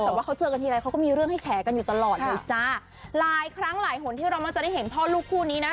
แต่ว่าเขาเจอกันทีไรเขาก็มีเรื่องให้แฉกันอยู่ตลอดเลยจ้าหลายครั้งหลายหนที่เรามักจะได้เห็นพ่อลูกคู่นี้นะ